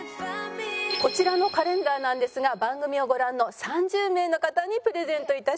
こちらのカレンダーなんですが番組をご覧の３０名の方にプレゼント致します。